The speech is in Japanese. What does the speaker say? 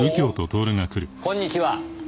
こんにちは。